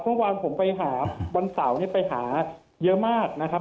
เมื่อวานผมไปหาวันเสาร์ไปหาเยอะมากนะครับ